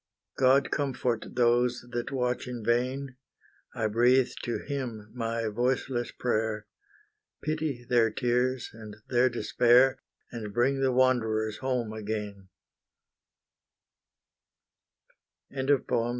God comfort those that watch in vain, I breathe to Him my voiceless prayer; Pity their tears and their despair, And bring the wanderers home again, NEW YEAR, 1868.